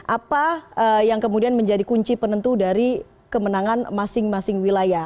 apa yang kemudian menjadi kunci penentu dari kemenangan masing masing wilayah